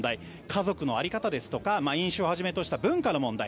家族の在り方ですとか飲酒をはじめとした文化の問題。